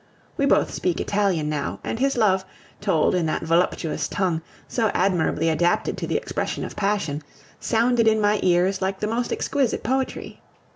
We both speak Italian now, and his love, told in that voluptuous tongue, so admirably adapted to the expression of passion, sounded in my ears like the most exquisite poetry.